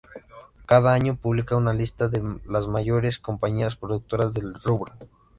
Cada año publica una lista de las mayores compañías productoras del rubro.